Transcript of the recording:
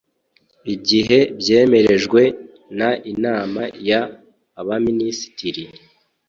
igihe byemerejwe n inama y abaminisitiri